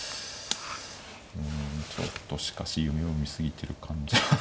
うんちょっとしかし夢を見過ぎてる感じがあるんで。